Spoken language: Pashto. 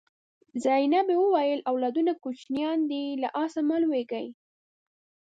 زینبې وویل اولادونه کوچنیان دي له آسه مه لوېږئ.